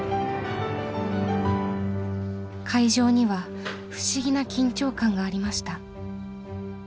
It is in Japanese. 会場には不思議な緊張感がありました。